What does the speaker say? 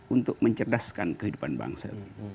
untuk mencerdaskan kehidupan bangsa